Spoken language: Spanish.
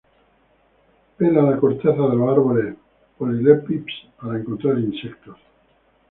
Pela la corteza de los árboles Polylepis para encontrar insectos.